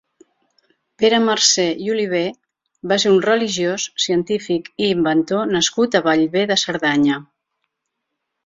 Pere Marcer i Oliver va ser un religiós, científic i inventor nascut a Bellver de Cerdanya.